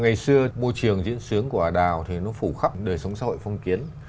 ngày xưa môi trường diễn sướng của ả đào thì nó phủ khắp đời sống xã hội phong kiến